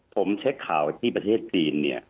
ผมเช็คข่าวที่ประเทศจีนเนี่ย